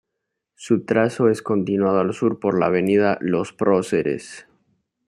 Su trazo es continuado al sur por la avenida Los Próceres.